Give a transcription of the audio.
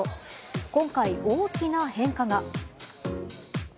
今回、大きな変化が。